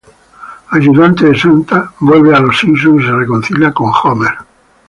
Ayudante de Santa vuelve junto a los Simpson y se reconcilia con Homer.